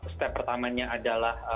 step pertamanya adalah